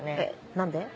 何で？